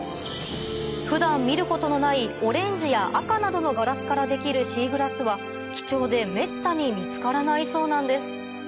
普段見ることのないオレンジや赤などのガラスから出来るシーグラスは貴重でめったに見つからないそうなんです